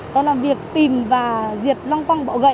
đó là việc tìm và diệt long quang bọ gậy